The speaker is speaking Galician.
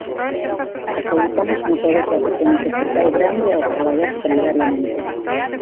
"Acreditamos no poder do pequeno que se fai grande ao traballar solidariamente".